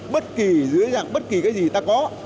bất kỳ dưới dạng bất kỳ cái gì ta có